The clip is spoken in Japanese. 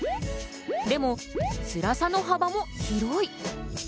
でもつらさの幅も広い。